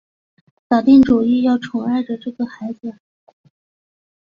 打定主意要宠爱着这个孩子